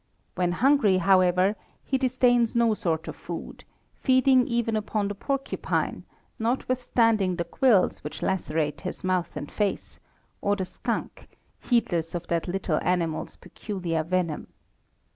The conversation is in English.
When hungry, however, he disdains no sort of food, feeding even upon the porcupine, notwithstanding the quills which lacerate his mouth and face, or the skunk, heedless of that little animal's peculiar venom.